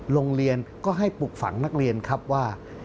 โรงเรียนก็ให้ปลูกฝังนักเรียนครับว่า